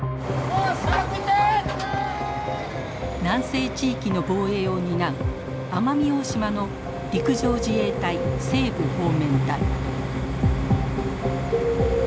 南西地域の防衛を担う奄美大島の陸上自衛隊西部方面隊。